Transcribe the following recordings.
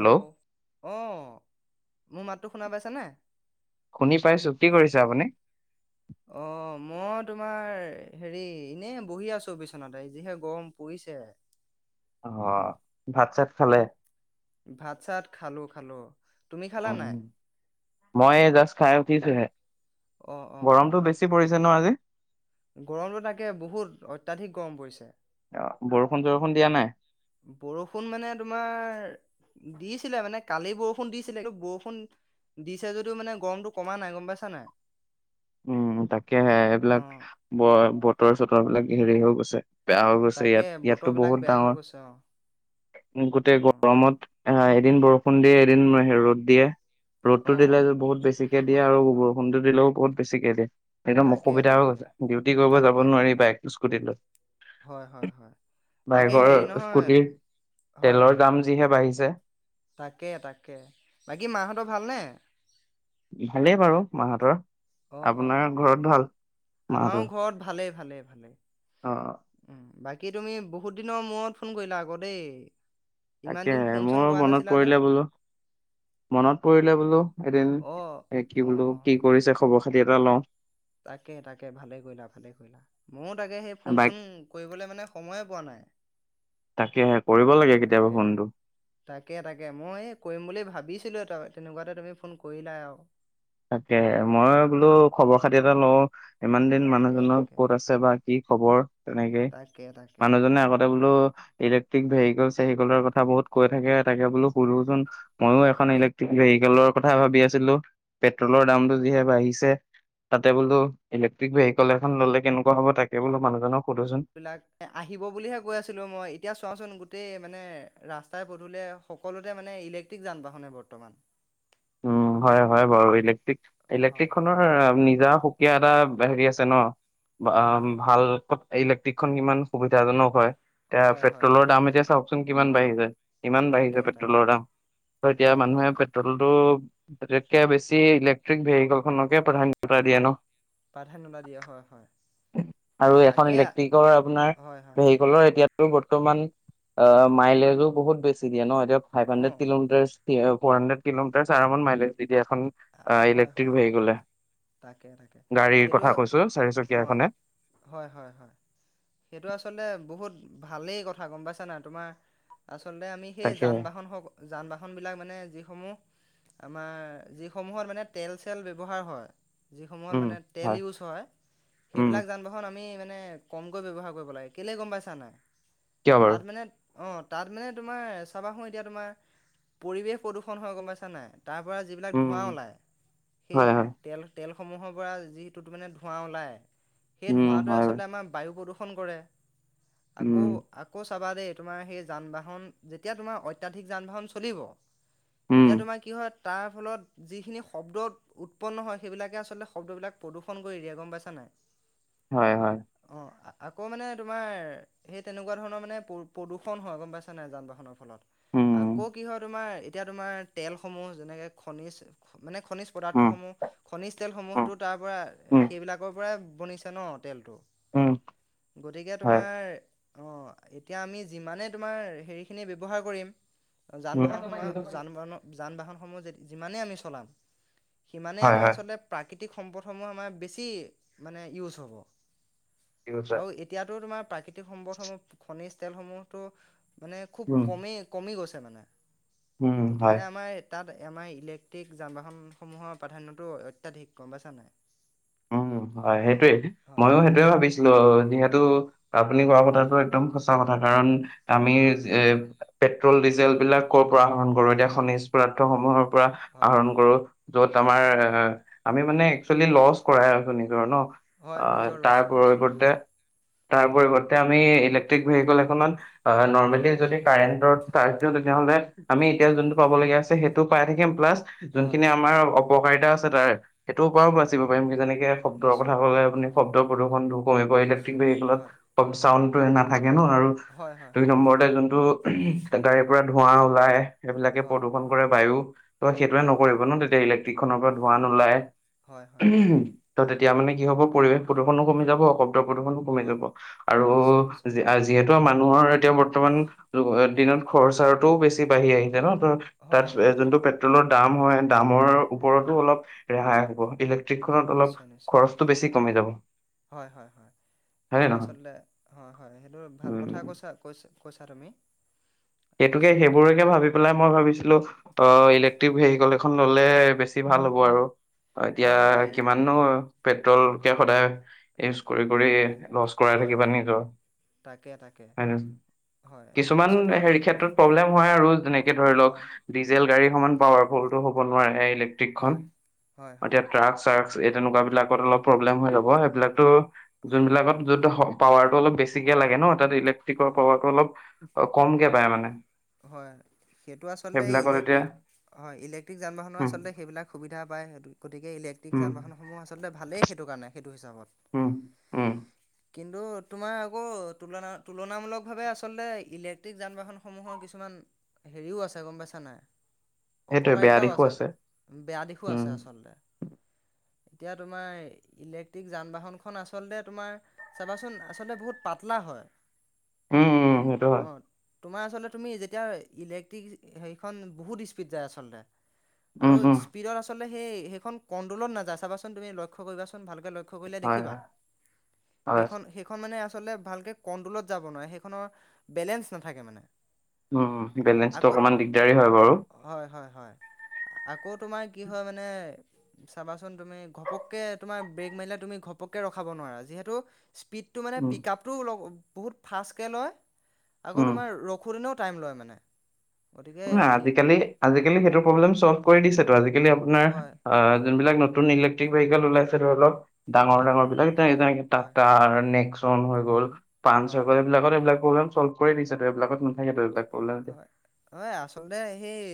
Hello অ মোৰ মাতটো শুনা পাইছ নে? শুনি পাই চুক্তি কৰিছে আপুনি। অঁ মই তোমাৰ হেৰি এনেই বহি আছো বিচনাতে যিহে গৰম পৰিছে। অ ভাত চাত খালে? ভাত চাত খালো খালো, তুমি উ খালা নাই? অঁ গৰমটো বেছি পৰিছে ন আজি? গৰমতো তাকে বহুত অত্যাধিক গৰম পৰিছে। অ' বৰষুণ-চৰষুণ দিয়া নাই। বৰষুণ মানে তোমাৰ দিছিলে মানে কালি বৰষুণ দিছিলে কি বৰষুণ দিছে যদিও মানে গৰমতটো কমা নাই গম পাইছা নাই। উম, তাকে হে এইবিলাক অঁ ব বতৰ-চতৰ বিলাক। হেৰি হৈ গৈছে। বেয়া হৈ গৈছে তাকে ইয়াত ইয়াতো বতৰ বিলাক বহুত বেয়া হৈ ডাঙৰ গৈছে অঁ গোটেই অঁ গৰমত আহ এদিন বৰষুণ। খুন্দিয়ে এদিন ৰ'দ দিয়ে। ৰ'দটো দিলে অঁ বহুত বেছিকে দিয়ে আৰু বৰ বৰষুণতো দিলেও ক'ত বেছিকৈ দিয়ে। একদম তাকে অসুবিধা হৈ তাকে গৈছে। ডিউটি কৰিব যাব তাকে নোৱাৰিব বাইক, স্কুটি স্কুটি লৈ হয় হয় হয় তাকে বাইকৰ, হেৰি নহয় স্কুটিৰ হয় তেলৰ হয় দাম যিহে বাঢ়িছে। তাকে, তাকে বাকী মাহঁতৰ ভালনে? ভালেই বাৰু মাহঁতৰ। অ' আপোনাৰ অ' অ' ঘৰত ভাল আমাৰো ঘৰত ভালেই। ভালে ভালে। অহ' বাকী তুমি বহুত দিনৰ মূৰত ফোন কৰিলা অ'ক দেই। ইমান তাকে দিন ফোন চোন মোৰ কৰা মনত নাছিলা যে পৰিলে বোলোঁ। মনত পৰিলে বোলোঁ এদিন অ এ কি অ বোলোঁ অ কি কৰিছে খবৰ খাতি এটা লওঁ। তাকে, তাকে ভালে কৰিলা, ভালে কৰিলা। মইয়ো তাকে সেই ফোন বাইক চোন কৰিবলৈ মানে সময়ে পোৱা নাই। তাকে কৰিব লাগে কেতিয়াবা তাকে, ফোনটো তাকে, তাকে মই এই কৰিম বুলি ভাবি ভাবিছিলোঁ তই তেনেকুৱাতে তুমি ফোন কৰিলা আৰু তাকে, মই অ বোলোঁ খবৰ খাতি এটা লওঁ। ইমান দিন তাকে মানুহজনৰ তাকে ক'ত আছে বা? কি খবৰ? তেনেকেই তাকে তাকে মানুহজনে আগতে বোলোঁ ইলেক্ট্ৰিক ভেহিকল চেহিকলৰ কথা বহুত কৈ থাকে, তাকে বোলোঁ সোধোচোন। মইয়ো এখন তাকে ইলেকট্ৰিক ভে- ভিকেলৰ কথা ভাবি আছিলোঁ। পেট্ৰলৰ দামটো যিহে বাঢ়িছে, তাতে বোলো ইলেক্ট্ৰিক ভেহিকেল এখন ল'লে কেনেকুৱা হ'ব? তাকে বোলো মানুহজনক। সোধোচোন এইবিলাক আহিব বুলিহে কৈ আছিলো মই, এতিয়া চোৱাচোন গোটেই মানে ৰাস্তাই পদুলিয়ে সকলোতে মানে ইলেক্ট্ৰিক যান বাহনে বৰ্তমান। উম হয় হয় বাৰু ইলেক্ট্ৰিক ইলেক্ট্ৰিক হয় খনৰ নি যা সুকীয়া এটা হেৰি আছে ন। বা অঁ অঁ ভাল ত ইলেক্ট্ৰিক খন কিমান সুবিধাজনক হয়? এয়া হয় হয় পেট্ৰোলৰ হয় দাম এতিয়া চাওঁক- চোন কিমান বাঢ়ি যায়। ইমান তাকে বাঢ়িছে তাকে পেট্ৰলৰ দাম, ত এতিয়া হয় হয় মানুহে হয় পেট্ৰল আটাইতকৈ বেছি ইলেক্ট্ৰিক ভেহিকেল খনকে প্ৰাধান্যতা দিয়ে ন? প্ৰাধান্যতা দিয়ে হয় হয় আৰু এখন তাকে ইলেক্ট্ৰিকৰ আপোনাৰ হয় হয় ভেহিকলৰ এতিয়া ৰো বৰ্তমান আ মাইলেজো বহুত বেছি দিয়ে নহ? [unintelligible] অঁ ফাইভহণ্ড্ৰেড কিলোমিটাৰচ। টিহওব ফ'ৰ হণ্ড্ৰেড। কিলোমিটাৰ চেৰামত মাইলেজ দি আ হয় ইলেক্ট্ৰিক হয় ভেহিকলে তাকে তাকে গাড়ীৰ কথা সেইটোৱ কৈছো চাৰিচকীয়া অ এখনে হয় হয় হয় সেইটো আচলতে বহুত ভালেই কথা গম পাইছ নাই তোমা আচ চলতে আমি সেই তাকে যান বাহন যান বাহনবিলাক মানে যিসমূহ আমাৰ যি সমূহত মানে তেল চেল ব্যৱহাৰ হয়। যিসমূহত মানে তেল ইউজ হয় উম সেইবিলাক যান বাহন আমি মান নে কমকৈ ব্যৱহাৰ কৰিব লাগে কেলে গম পাইছা নাই। কিয় বাৰু তাত মানে অ তাত মানে তোমাৰ চাবা সো এতিয়া তোমাৰ পৰিৱেশ প্ৰদূষণ হয় গম পাইছা নাই তাৰ পৰা উম ধোঁৱা ওলাই সেই হয় হয় তেল তেল সমূহৰ পৰা যিহেতুটো তো মানে ধোঁৱা ওলাই। সেই উম ধোঁৱাটোৱে হয় আচলতে আমাম বায়ু প্ৰদূষ ফোন কৰে। আকৌ উম আকৌ চাবা দেই তোমাৰ সেই যান বাহন, যেতিয়া তোমাৰ অত্যাধিক যান বাহন চলিব উম তেতিয়া তোমাৰ কি হয় তাৰ ফলত যিখিনি শব্দ, উৎপন্ন হয় সেইবিলাকে আচলতে শব্দবিলাক প্ৰদূষণ কৰি দিয়ে গম পাইছা নে? হয় হয়, আকৌ মানে তোমাৰ, সেই তেনেকুৱা ধৰণৰ মানে প্ৰ-প্ৰদূষণ হয় গম পাইছ নে যান বাহনৰ ফলত। উম আকৌ কি হয় তোমাৰ এতিয়া তোমাৰ তেলসমূহ যেনেকে খনিজ মানে খনিজ উম পদাৰ্থসমূহ খনিজ উম তেলসমূহতো তাৰ পৰা উম সেইবিলাকৰ পৰাই [unintelligible] ন তেলটো উম গতিকে হয় তোমাৰ অ এতিয়া আমি যিমানে তোমাৰ হেৰিখিনি ব্যৱহাৰ কৰিম যান উম, বাহন সময়ত যান বাহনৰ যান বাহনসমূহ যিমানে আমি চলাম সিমানে হয় আমাৰ হয় আচলতে প্ৰাকৃতিক [unintelligible] সম্পদসমূহ আমাৰ বেছি মানে ইউজ হ'ব ঠিক কৈছা আৰু এতিয়াতো তোমাৰ [unintelligible] তে সম্পদসমূহ ঘনিচ তেলসমূহতো মানে খুব উম কমেই কমি গৈছে। তে মানে উম হয় গতিকে আমাৰ [unintelligible] তাত এম আই ইলেক টিক যান-বাহনসমূহৰ প্ৰাধান্যটো অত্যাধিক গম পাইছা নাই? উম, হয় সেইটোৱে হয় ময়ো সেইটোয়ে ভাবিছিলোঁ যিহেতু আপুনি কোৱা হয় কথাটো একদম সঁচ [unintelligible] কাৰণ আমি হয় হয় এইজ এ পেট্ৰল-ডিজেলবিলাক ক'ৰ পৰা আহৰণ কৰোঁ এতিয়া খনিজ পদাৰ্থসমূহৰ পৰা হয় আহৰণ কৰো য'ত হয় আমাৰ হয় এ আমি মানে একচুৱেলি লছ কৰাই আছোঁ নিজৰ ন? হয় অহ, নিজৰ লছ তাৰ পাই ক্ৰয় আছোঁ হয় কৰতে তাৰ পৰিৱৰ্তে আমি ইলেক্ট্ৰিক ভেহিকেল এখনত আহ নৰ্মেলি যদি কাৰেণ্টত চাৰ্জ দিওঁ তেতিয়াহলে আমি এতিয়া হয় যোনটো পাব লগীয়া আছে সেই তটো পাই থাকিম। প্লাছ! হয় যোনখিনি আমাৰ উপকাৰিতা আছে তাৰে। সেইটোৰ পৰাও হয় বাচিব হয় যেনেকে শব্দ কথা নিশ্চয় কলে আপুনি শব্দ প্ৰদূষন কলে ইলেক্ট্ৰিক ভেহ হয় চা। নাথাকে। আৰু হয় হয় দুই হয় নম্বৰতে যোনটো গা গাড়ীৰ পৰা। ধোৱা ওলাই। সেইবিলাকে হয় প্ৰদূষণ কৰে, বায়ু ত সেইটোৱে হয় নকৰিব ন তেতিয়ালে। ড়ী খনৰ পৰা ধোৱা নোলায়। হয়। হয় হয় ত তেতিয়া মানে কি হ'ব, পৰিৱেশ প্ৰদূষণো কমি যাব অক। ত প্ৰদূষণো কমি হয় যাব, আৰু নিশ্চয় নিশ্চয় যি আ যিহেতু। ত মানুহৰ এতিয়া বৰ্তমান দিনত খৰচাটোও বেছি বাঢ়ি আহিছে নহ। ত তাত হয় এ হয় যোনটো হয় পেট্ৰলৰ। দাম হয়, দামৰ ওপৰতো অলপ ৰেহাই হ'ব এ। নিশ্চয়- নিশ্চয় যাব হয়, হয়, হয় হয়নে সেইটো নহয় আচলতে হয় -হয় সেইটো ভাল কথা উম কৈছা, কৈছ- কৈছা তুমি? সেইটোকে আচলতে সেইবোৰেকে ভাবি পেলাই মই ভাবিছিলো, অ' হয় ইলেক্ট্ৰিক ভেহিকল এখন ললে। বেছি ভাল হ'ব আৰু। অ এতিয়া হয় হয় ই- কিমাননো? পেট্ৰল কে সদায় ইউজ কৰি- কৰি এ। লচ কৰাই হয় থাকিবা নিজৰ, তাকে তাকে হয় হয় কিছুমান আচলতে হেৰি। ক্ষেত্ৰত প্ৰব্লেম হয় আৰু, যেনেকে ধৰি লওক হয় ডিজেল গাড়ী। সমান পাৱাৰফুলটো হ'ব নোৱাৰে ইলেক্। ট্ৰিকখন হয় হয় হয় এতিয়া ট্ৰাক চাৰ্। এই তেনেকুৱা বিলাকত অলপ প্ৰব্লেম হৈ ল'ব, সেইবিলাকতো। হয় যোনবিলাকত যত শব। পাৱাৰতো অলপ বেছিকে লাগে ন তাত ইলে। কি ক হয় কৱা প অলপ। অ কম গেপ। পায় মানে। হয়, সেইটো আচলতে সেইবিলাকত এতিয়া ইলেক্ট্ৰিক। হয়, ইলেক্ট্ৰিক যান- বাহনৰ উম আচলতে সেইবিলাক সুবিধা পায়, গতিকে ইলেক্ট্ৰিক উম, যান-বাহনসমূহ আচলতে ভালেই সেইটো কাৰণে সে। উম, উম। কিন্তু, তোমাৰ আকৌ তুলনা -তুলনামূলক ভাৱে আচলতে ইলেক্ট্ৰিক যান-বাহনসমূহৰ কিছু। কিছুমান হেৰিও আছে গম পাইছা নাই, সেইটোৱে বেয়া অপকাৰিতাও দিশো আছে, বেয়া দিশো উম, আছে আচলতে। এতিয়া তোমাৰ, ইলেক্ট্ৰিক যান বাহনখন আচলতে তোমাৰ চাবাচোন, আচলতে বহুত পাতলা হয়। উম, উম, তুম' সেইটো হয়। অ। তোমাৰ আচলতে তুমি তিয়া ইলেক্ট্ৰিক হেৰিখন বহুত স্পীড যায় আচলতে। উম, আৰু উম, স্পীডত আচল সেই সেইখন কণ্ট্ৰলত নাযায় চাবাচোন, তুমি লক্ষ্য কৰিবাচোন ভালকে ল [unintelligible] হয়, দেখিবা, হয়, হয়, সেইখন সেইখন মানে আচলতে ভালকে কণ্ট্ৰলত যাব নোৱাৰে, সেইখনৰ বেলেঞ্চ নাথাকে মানে। উম, বেলেঞ্চটো আকৌ অকমান দিগদাৰী হয় বাৰু। হয় হয় হয় আকৌ তোমাৰ কি হয় মানে চাবাচোন তুমি ঘপককে তোমাৰ ব্ৰেক মাৰিলে তুমি ঘপককে ৰখাব নোৱাৰা। যিহেতু, স্পীডটো মানে উম, পিক আপটো বহুত ফাষ্টকৈ লয়। আকৌ উম, তোমাৰ ৰখো দিনত টাইম লয় মানে। ন সেই আজিকালি আজিকালি সেইটো প্ৰব্লেম চল্ভ কৰি দিছে টো আজি কালি আপোনাৰ হয় আ যোনবিলাক ন নতুন ইলেকট্ৰিক ভেহিকেল ওলাইছে ধৰলক। ডাঙৰ হয় ডাঙৰ হয় বিলাক তেনেকে তেনেকে টাটা হয় তাৰ নেক্স [unintelligible] হৈ গ'ল। হয় [unintelligible] হয় এইবিলাক প্ৰগ্ৰাম চলভ কৰি দিছে ত এইবিলাকত নাথাকে ত এইবিলাক। প্ৰব্লেম হয় [unintelligible] হয় আচলতে সেই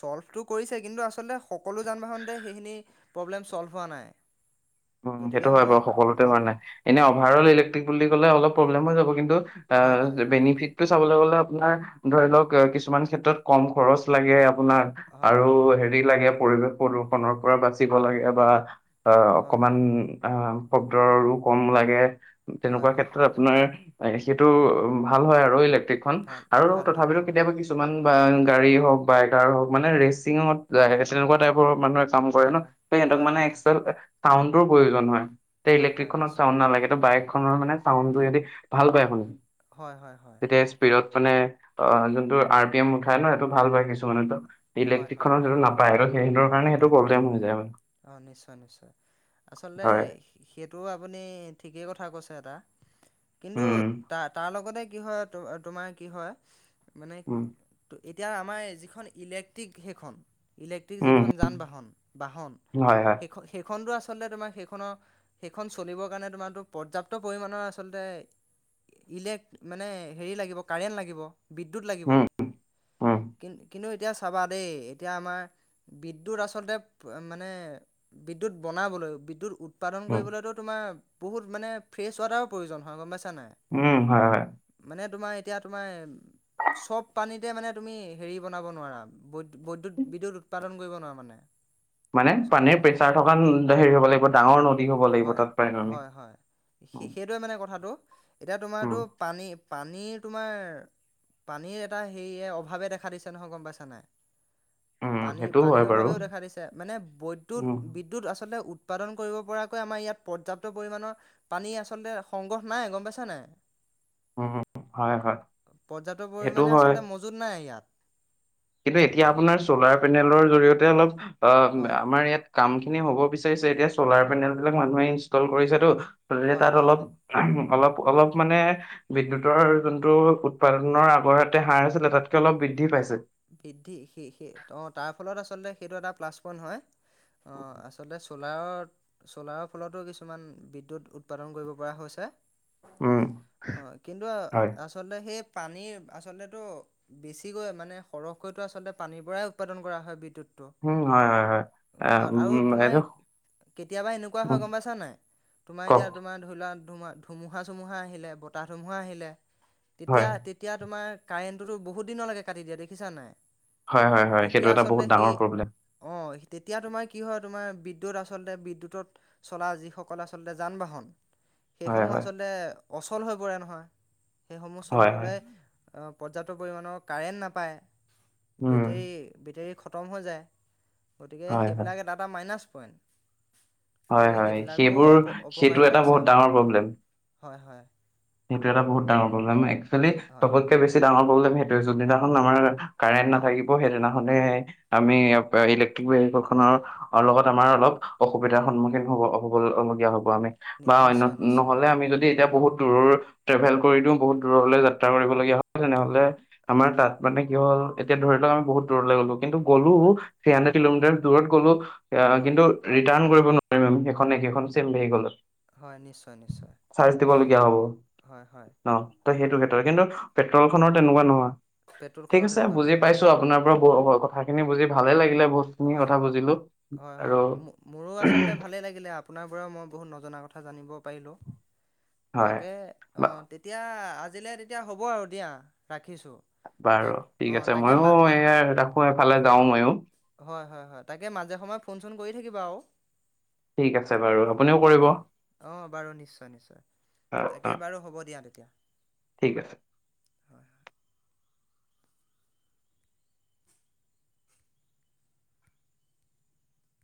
ছ'ল্ভটো কৰিছে কিন্তু আচলতে সকলো যান বাহনতে সেইখিনি প্ৰব্লেম চ'ল্ভ হোৱা নাই। উ সেইটো গতিকে হয় বাৰু মই সকলোতে অঁ হোৱা নাই, এনে অঁ অভাৰ অল ইলেক্ট্ৰিক বুলি ক'লে অলপ প্ৰব্লেম হৈ যাব কিন্তু আ হয় হয় বেনিফিট চাবলৈ গলে আপোনাৰ ধৰি লওঁক কিছুমান ক্ষেত্ৰত কম খৰচ লাগে। আপোনাক হয় আৰু হয় হেৰি লাগে। পৰিৱেশ প্ৰদূষণৰ পৰা বাচিব লাগে বা বা। [inaudible] অ, হয় শব্দো আৰু কম লাগে। হয় তেনেকুৱা হয় ক্ষেত্ৰত আপোনাৰ সেইটো উ ভাল হয় আৰু [unintelligible] ভাল [unintelligible] আৰু ভাল হয় তথাপিতো ভাল হয় কেতিয়াবা কিছুমান বান, গাড়ী হওঁক, বাইতাৰ হওঁক মানে ৰেচিঙত [unintelligible] তেনেকুৱা টাইপৰ মানুহে কাম কৰে হয় ন। হয় সেই এহঁতক হয় মানে হয় হয় এক্সেল এ টাউনটোৰ প্ৰয়োজন হয়। হয় ইলেক্ট্ৰিকখনত নিশ্চয় চাউণ্ড নালাগে। ত' বাইক খনৰ মানে চাউণ্ডটোৱেদি ভাল পায় শুনি। হয়, হয়, হয়। তেতিয়া স্পীডত মানে আ জোনটো আৰ পি এম উঠাই ন হেটো ভাল পায় অঁ কিছুমানেটো। হয় হয় ইলেক্ট্ৰিকখনত জোনো নাপায় হেটো বেংতৰ কাৰণে হেটো নাপায় নাপায় প্ৰব্লেম হৈ যায় হয়। অঁ নিশ্চয় নিশ্চয় আচলতে সে-সেটো আপুনি ঠিকেই কথা কৈ ছে এটা। কিন্তু উম তা-তা লগতে কি হয় তো-তোমাৰ কি হয়? মানে উম ত-এইত এতিয়া আমায়ে যিখন ইলেক্ট্ৰিক হেখন। ইলে টি উম যিখন যান-বাহন, বাহন উম হয় হয় সেইখ-সেইখনটো আচ আচলতে তোমাৰ সেইখনৰ, সেইখন চলিব কাৰণে তোমাতো পৰ্যাপ্ত পৰিমাণৰ আচলতে ইলেক মানে হেৰি লাগিব কাৰেণ্ট লাগিব। বিদ্যুৎ লাগিব। উম উম কিন-কিনো এত এতিয়া চাবা দেই, এতিয়া আমাৰ বিদ্যুত আচলতে, মানে বিদ্যুত বনাবলৈ, বিদ্যুৎ উৎ উৎপাদন উম কৰিবলৈতো তোমাৰ বহুত মানে ফ্ৰেছ ৱাটাৱ প্ৰয়োজন হয় গম পাইছ ছা নাই। উম হয় হয় মানে তোমাৰ এতিয়া তোমাৰ চব পানীতে মানে তুমি হেৰি বনাব নোৱাৰা, বৈ বৈদ্যুত, বিদুত উৎ পাদন কইব নোৱা মানে মানে চব পানীৰ পানী, প্ৰেচাৰ থকা হেৰি হ'ব লাগিব ডাঙৰ নদী হ'ব লাগিব হয়, তাত পাৰিম আমি হয়, হয় উম সে-সেটোৱে মানে কথাটো। এতিয়া উম তোমাৰতো পানী, পানীৰ তোমাৰ পানীৰ এটা হেইয়ে, অভাৱে দেখা দিছে নহয় গম পাইছা নাই? উম পানী, সেইটোও হয় পানীৰ বাৰু অভাৱেও দেখা দিছে মানে বৈদ্যুত, উম বিদ্যুৎ আচলতে উৎ পাদন কইব পৰাকৈ আমাৰ ইয়াত পৰ্যাপ্ত পৰিমাণ পানী আচলতে সংগ্ৰহ নাই গম পাইছা নাই? উম হয় হয় পৰ্যাপ্ত সেইটো পৰিমাণে হয় আচলতে মজুত নাই ইয়াত। কিন্তু এতিয়া আপোনাৰ চলাৰ পেনেলৰ জৰিয়তে অলপ হয় অ' আমাৰ ইয়াত কাম খিনি হ'ব বিচাৰিছে এতিয়া চলাৰ পেনেল বিলাক মানুহে ইনষ্টল কৰিছেতো। গতিকে হয় তাত হয় অলপ [unintelligible] অলপ, অলপ মানে বিদ্যুতৰ যোনটো উৎপাদনৰ আগৰ হঁতে সাৰ আছিলে তাতকে অলপ বৃদ্ধি পাইছে। বৃদ্ধি সেই সেই অ' তাৰ ফলত আচলতে সেইটো এটা প্লাছ পইণ্ট হয়। অ' আচলতে চলাৰত চলাৰৰ ফলতো কিছুমান বিদ্যুৎ উৎপাদন কৰিব পৰা হৈছে। উম, অ' কিন্তু হয়। আচলতে সেই পানীৰ আচলতেটো বেছিকৈ মানে সৰহকৈটো আচলতে পানীৰ পৰাই উৎপাদন কৰা হয় বিদ্যুৎ। টোৰ উম, হয়, হয়, হয়। আহ আৰু উম, তোমাৰ এইটো কেতিয়াবা এনেকুৱা হয় উম, গম পাইছানে নাই তোমাৰ কওক এতিয়া তোমাৰ ধৰি লোৱা ধুমা ধুমুহা চুমুহা আহিলে বতাহ ধুমুহা আহিলে। হয়, তেতিয়া, তেতিয়া তোমাৰ কাৰেণ্টটো বহু দিনলৈকে কাটি দিয় দে খিছা নাই? হয়, হয়, হয় সেইটো এটা বহুত আচলতে ডাঙৰ সেই প্ৰব্লেম। অঁ তেতিয়া, তোমাৰ কি হয় তোমাৰ বিদ্যুৎ আচলতে বিদ্যুতত চলা যিসকলে আচলতে যান বাহন হয়, সেইসমূহ হয়, আচলতে অচল হৈ পৰে নহয়। সেইসমূহ হয়, হয়, চলিবলৈ অ পৰ্যাপ্ত পৰিমাণৰ কাৰেণ্ট নাপায় উম, বেটেৰী বেটেৰী খত খতম হৈ যায় গতিকে হয়, হয়, সেইবিলাক এটা এটা মাইনাছ পইন হয় হয় সেইবোৰ সেইটো এটা আছে বহুত হয় ডাঙৰ প্ৰব্লেম হয় হয় সেইটো এটা বহুত ডাঙৰ প্ৰব্লেম এক চলি হয় চবচকে বেছি ডাঙৰ প্ৰব্লেম সেইটোয়ে যোনদিনাখন আমাৰ কাৰেণ্ট হয় নাথাকিব সেইদিনা আমি আমি ইলেক্ট্ৰিক ভেহিক খনৰ আৰু লগত আমাৰ হয় অলপ অসুব সুবিধাৰ সন্মুখীন হ'ব হ'বলগীয়া হ'ব আমি নি বা অন্য নিশ্চয় নিশ্চয় নহলে আমি যদি এতিয়া বহুত দৰৰ ট্ৰেভেল কৰি দিও বহুত দূৰলৈ যাত্ৰা কৰিবলগীয়া হয় তেনেহলে হয় আমাৰ তাত মানে কি'ল এতিয়া ধৰি লওক আমি বহুত দূৰলে গ'লোঁ। কিন্তু গলোঁ হয় থ্ৰী হন্দ্ৰেদ হয় কিলোমিটাৰচ দূৰত গলোঁ হয় কিন্তু ৰিটাৰ্ণ নোৱাৰম সেইনে সেইখন চেম ভেহিকেলত। হয় নিশ্চয় নিশ্চয়। চাৰ্জ দিবলগীয়া হ'ব হয় হয় অ', ত' সেইটো ক্ষেত্ৰত কিন্তু পেট্ৰল খনৰ তেনেকুৱা নহয় ঠিক পেট্ৰলখনৰ আছে তেনেকুৱা বুজি নহয় পাইছো হয় আপোনাৰ পৰা বৰ অ কথা খিনি বুজি ভালে লাগিলে। বহুতখিনি হয় কথা বুজিলো হয় আৰু হয় মোৰো আচলতে ভালেই লাগিলে আপোনাৰ পৰা মই বহুত নজনা কথা জানিব পাৰিলোঁ। হয় তাকে বা- অ', তেতিয়া আজি আজিলে তেতিয়া হ'ব আৰু দিয়া ৰা বাৰু ঠিক আছে ময়ো মা মা এয় ৰাখো এফালে যাও মইো। হয় হয় হয় তাকে মাজে সময়ে ফোন চোন কৰি থাকিবা আৰু। ঠিক আছে বাৰু আপুনিও অ', কৰিব অ', অ', বাৰু নিশ্চয় নিশ্চয় তাকে অ বাৰু হ'ব দিয়া তেতিয়া ঠিক আছে হয় হয়।